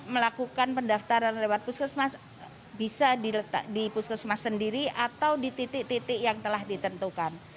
melakukan pendaftaran lewat puskesmas bisa diletak di puskesmas sendiri atau di titik titik yang telah ditentukan